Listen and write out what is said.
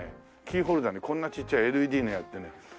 キーホルダーにこんなちっちゃいＬＥＤのやってね。